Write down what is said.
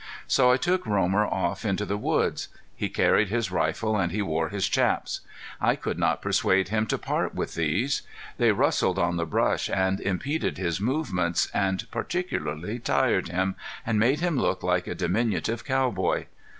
So I took Romer off into the woods. He carried his rifle and he wore his chaps. I could not persuade him to part with these. They rustled on the brush and impeded his movements, and particularly tired him, and made him look like a diminutive cowboy.